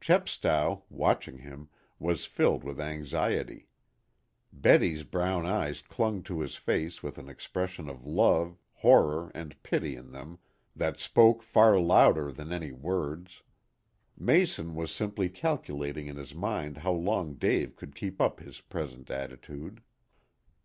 Chepstow, watching him, was filled with anxiety. Betty's brown eyes clung to his face with an expression of love, horror and pity in them that spoke far louder than any words. Mason was simply calculating in his mind how long Dave could keep up his present attitude.